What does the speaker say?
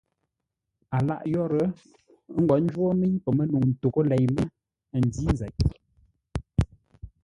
A lâʼ yórə́, ə́ ngwo ńjwó mə́i pəmə́nəu ntoghʼə́ lei mə́, ndǐ nzeʼ.